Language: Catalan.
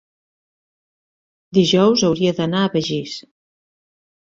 Dijous hauria d'anar a Begís.